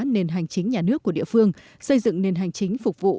nền hành chính nhà nước của địa phương xây dựng nền hành chính phục vụ